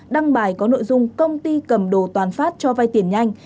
đăng bài có nội dung công ty cầm đồ toàn phát cho vay tiền nhanh